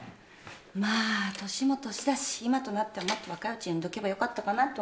まあ年も年だし今となってはもっと若いうちに産んでおけばよかったかなと思うけどね。